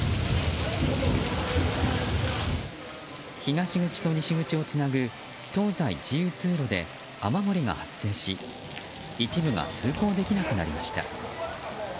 東口と西口をつなぐ東西自由通路で雨漏りが発生し一部が通行できなくなりました。